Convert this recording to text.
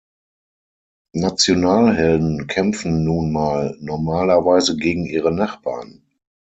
Nationalhelden kämpfen nun mal normalerweise gegen ihre Nachbarn.